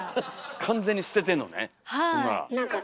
完全に捨ててんのねほんなら。